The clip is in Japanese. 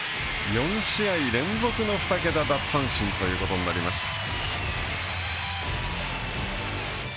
４試合連続の２桁奪三振ということになりました。